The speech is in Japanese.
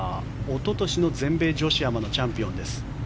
おととしの全米女子アマのチャンピオンです。